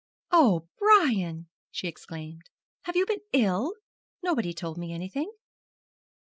'Oh, Brian,' she exclaimed, 'have you been ill? Nobody told me anything.'